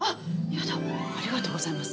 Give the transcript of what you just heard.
やだありがとうございます。